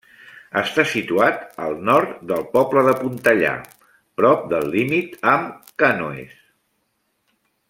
Està situat al nord del poble de Pontellà, prop del límit amb Cànoes.